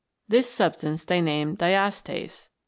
This substance they named Diastase.